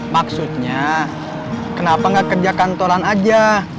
maksudnya kenapa nggak kerja kantoran aja